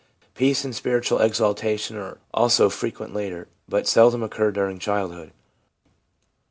Peace and spiritual exultation are also frequent later, but seldom occur during childhood.